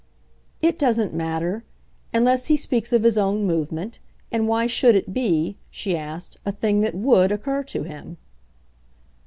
"It doesn't matter. Unless he speaks of his own movement ! And why should it be," she asked, "a thing that WOULD occur to him?"